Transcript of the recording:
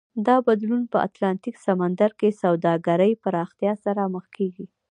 دا بدلون په اتلانتیک سمندر کې سوداګرۍ پراختیا سره مخ کېږي.